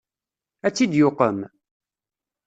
Ad tt-id-yuqem?